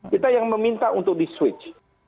kita yang meminta untuk di switch